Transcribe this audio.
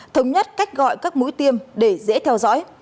thống nhất cách gọi các mũi tiêm để dễ theo dõi